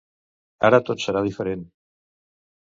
Ara tot serà diferent.